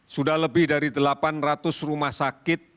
sudah lebih dari delapan ratus rumah sakit